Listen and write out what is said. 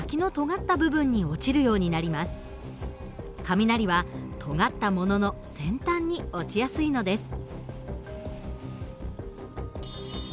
雷はとがったものの先端に落ちやすいのです。